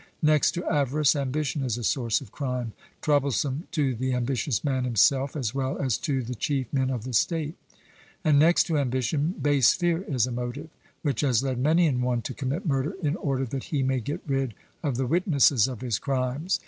Next to avarice, ambition is a source of crime, troublesome to the ambitious man himself, as well as to the chief men of the state. And next to ambition, base fear is a motive, which has led many an one to commit murder in order that he may get rid of the witnesses of his crimes.